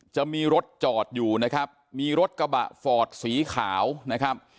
จะมีรถจอดอยู่นะครับมีรถกระบะฟอร์ดสีขาวนะครับ